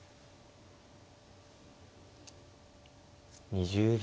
２０秒。